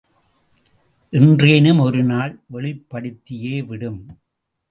என்றேனும் ஒருநாள் வெளிப்படுத்தியே விடும்.